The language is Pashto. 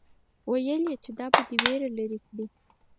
ويل يې چې دا به دې وېره لري کړي.